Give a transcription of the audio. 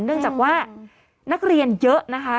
เนื่องจากว่านักเรียนเยอะนะคะ